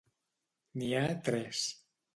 N'hi ha tres.